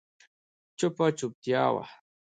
چوپه چوپتیا وه.